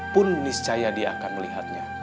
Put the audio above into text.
pun niscaya dia akan melihatnya